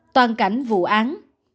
toàn cảnh vụ án